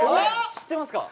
知ってますか？